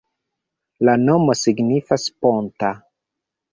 La nomo signifas: ponta.